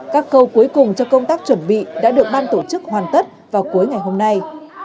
các khâu cuối cùng cho công tác chuẩn bị đã được ban tổ chức hoàn tất vào cuối ngày hôm nay